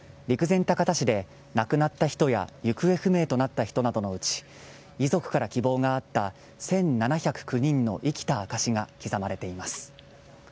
陸前高田市で亡くなった人や行方不明となった人などのうち遺族から希望があった１７０９人の生きた証しが刻まれています。